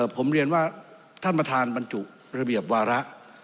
ผมเรียนว่าท่านประธานบรรจุระเบียบวาระ